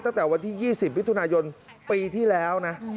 ตั้งแต่วันที่๒๐มิถุนายนปีที่แล้วนะ